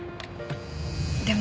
でも。